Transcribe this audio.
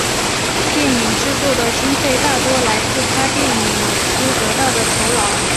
电影制作的经费大多来自他电影演出得到的酬劳。